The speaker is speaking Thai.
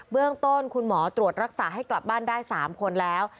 เรื่องต้นคุณหมอตรวจรักษาให้กลับบ้านได้๓คนแล้ว